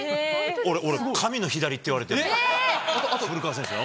俺、神の左って言われてんの、古川選手に。